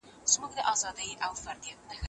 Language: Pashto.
لکه زوی، پلار يا بل هغه قريب چي ميراث ئې وړي.